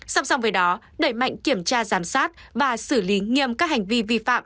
song song với đó đẩy mạnh kiểm tra giám sát và xử lý nghiêm các hành vi vi phạm